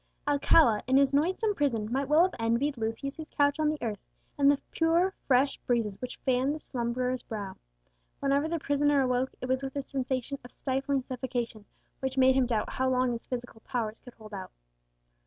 Alcala, in his noisome prison, might well have envied Lucius his couch on the earth, and the pure fresh breezes which fanned the slumberer's brow. Whenever the prisoner awoke, it was with a sensation of stifling suffocation, which made him doubt how long his physical powers could hold out.